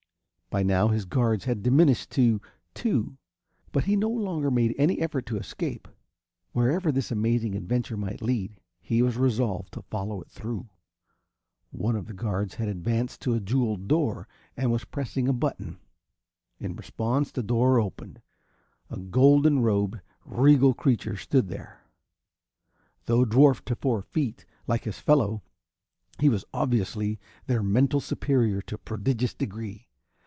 By now his guards had diminished to two, but he no longer made any effort to escape. Wherever this amazing adventure might lead, he was resolved to follow it through. One of the guards had advanced to a jewelled door and was pressing a button. In response, the door opened. A golden robed, regal creature stood there. Though dwarfed to four feet, like his fellow, he was obviously their mental superior to a prodigious degree.